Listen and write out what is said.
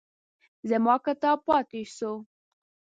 زما کتاب پاتې شو.